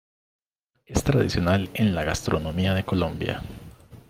Es tradicional en la gastronomía de Colombia.